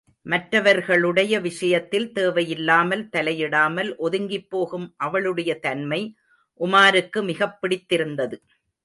மற்றவர்களுடைய விஷயத்தில் தேவையில்லாமல் தலையிடாமல் ஒதுங்கிப்போகும் அவளுடைய தன்மை உமாருக்கு மிகப் பிடித்திருந்தது.